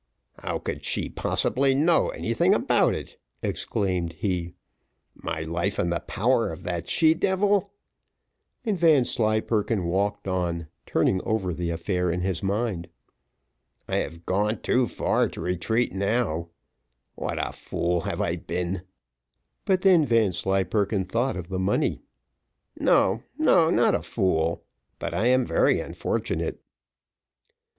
"How could she possibly know anything about it?" exclaimed he. "My life in the power of that she devil" And Vanslyperken walked on, turning over the affair in his mind. "I have gone too far to retreat now. I must either go on, or fly the country. Fly, where? What a fool have I been!" but then Vanslyperken thought of the money. "No, no, not a fool, but I am very unfortunate."